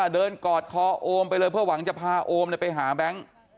กอดคอโอมไปเลยเพื่อหวังจะพาโอมไปหาแบงค์